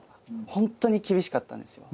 ホントに厳しかったんですよ。